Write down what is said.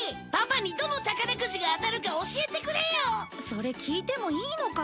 それ聞いてもいいのかな？